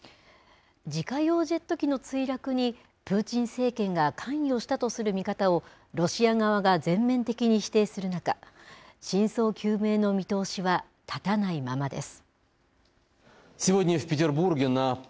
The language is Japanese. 自家用ジェット機の墜落に、プーチン政権が関与したとする見方を、ロシア側が全面的に否定する中、真相究明の見通しは立たないままです。